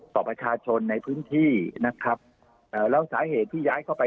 ต่อประชาชนในพื้นที่นะครับเอ่อแล้วสาเหตุที่ย้ายเข้าไป